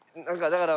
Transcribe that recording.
だから。